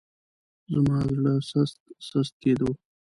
زما زړه سست سست کېدو.